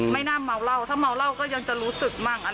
ไม่น่าเมาเหล้าถ้าเมาเหล้าก็ยังจะรู้สึกมั่ง